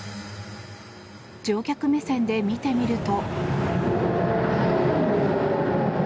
乗客目線で見てみると。